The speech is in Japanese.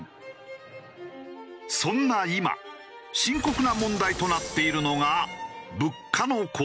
そんな今深刻な問題となっているのが。